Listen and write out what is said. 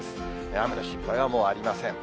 雨の心配はもうありません。